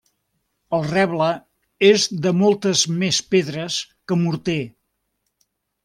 El reble és de moltes més pedres que morter.